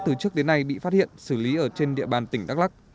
từ trước đến nay bị phát hiện xử lý ở trên địa bàn tỉnh đắk lắc